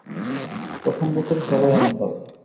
প্রথম বছরে সবাই এমন ভাবে।